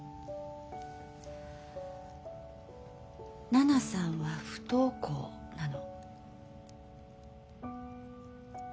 奈々さんは不登校なの。